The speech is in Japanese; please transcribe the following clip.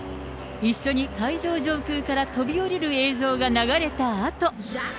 一緒に会場上空から飛び降りる映像が流れたあと。